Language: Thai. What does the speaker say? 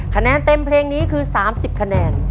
คะแนนเต็มเพลงนี้คือ๓๐คะแนน